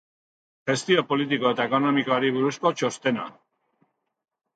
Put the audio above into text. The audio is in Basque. Gestio politiko eta ekonomikoari buruzko txostena.